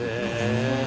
へえ。